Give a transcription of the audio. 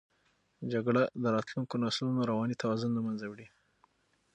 جګړه د راتلونکو نسلونو رواني توازن له منځه وړي.